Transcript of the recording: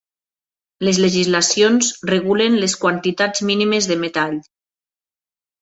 Les legislacions regulen les quantitats mínimes de metall.